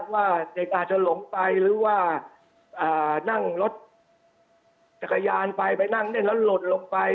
ว่าเด็กอาจจะหลงไปหรือว่านั่งรถจักรยานไปไปนั่งเล่นแล้วหล่นลงไป